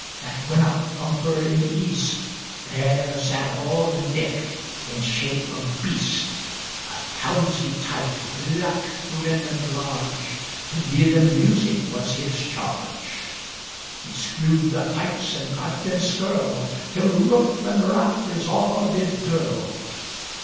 At winnock bunker in the east, There sat auld Nick, in shape o' beast; A towzie tyke, black, grim, and large; To gi'e them music was his charge: He screwed the pipes and gart them skirl, Till roof and rafters a' did dirl!